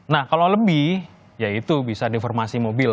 nah kalau lebih ya itu bisa deformasi mobil